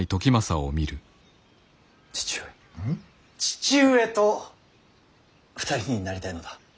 父上と２人になりたいのだ。